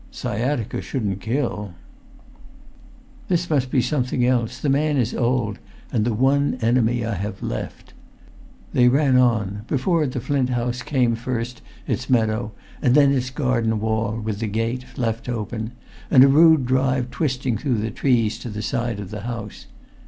"Sciatica shouldn't kill." [Pg 388]"This must be something else. The man is old—and the one enemy I have left!" They ran on. Before the Flint House came first its meadow and then its garden wall, with the gate left open, and a rude drive twisting through trees to the side of the house.